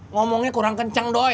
ngomongnya kurang kenceng doi